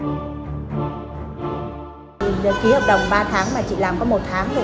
ký hợp đồng ba tháng mà chị làm có một tháng